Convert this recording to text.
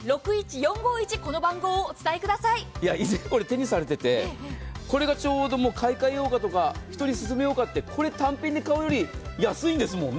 以前、これを手にされていてこれをちょうど買い換えようとか、人に勧めようかって、これ単品で買うより安いんですもんね。